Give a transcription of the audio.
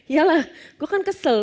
iyalah gue kan kesel